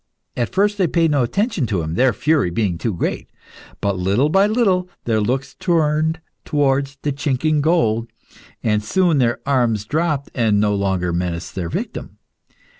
At first they paid no attention to him, their fury being too great; but little by little their looks turned towards the chinking gold, and soon their arms dropped and no longer menaced their victim.